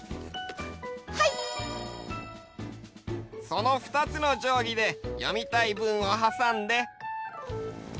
そのふたつのじょうぎで読みたいぶんをはさんで。